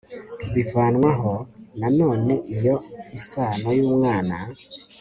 bivanwaho nanone iyo isano y umwana